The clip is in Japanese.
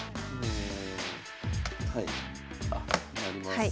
はい。